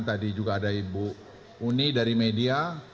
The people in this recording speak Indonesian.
tadi juga ada ibu uni dari media